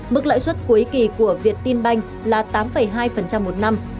mức lãi suất cuối kỳ của việt tin banh là tám hai một năm